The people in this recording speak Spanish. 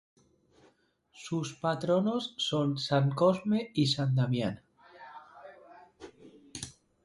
Sus patronos son San Cosme y San Damián.